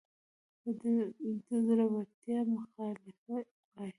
به د زړورتیا مخالف وای